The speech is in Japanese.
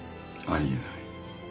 あり得ない。